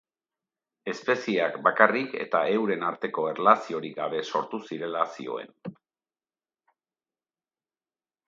Espezieak bakarrik eta euren arteko erlaziorik gabe sortu zirela zioen.